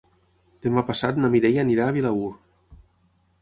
Demà passat na Mireia anirà a Vilaür.